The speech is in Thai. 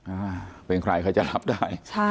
อ่าเป็นใครเขาจะรับได้ใช่